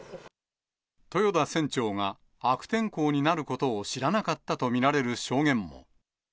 豊田船長が悪天候になることを知らなかったと見られる証言も。